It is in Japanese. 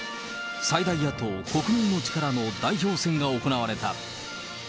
最大野党、国民の力の代表選が行われた。